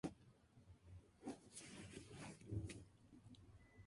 La ciudad volvió a pico empleo durante el cuarto trimestre de ese año.